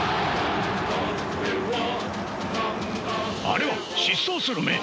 あれは疾走する眼！